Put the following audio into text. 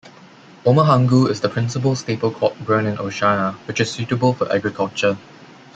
Omahangu is the principal staple crop grown in Oshana, which is suitable for agriculture.